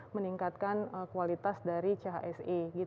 meningkatkan kualitas dari chsb